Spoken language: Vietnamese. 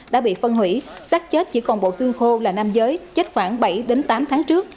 đã bị phân hủy sắc chết chỉ còn bộ xương khô là nam giới chết khoảng bảy tám tháng trước